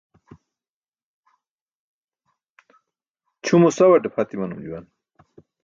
Ćʰumo sawate pʰat imanum juwan.